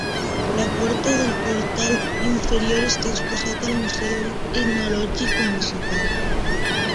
La porta del portal inferior està exposat al museu etnològic municipal.